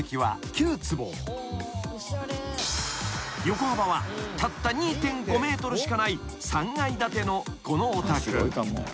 ［横幅はたった２．５ｍしかない３階建てのこのお宅］